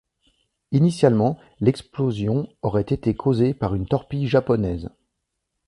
Initialement, l'explosion aurait été causée par une torpille japonaise.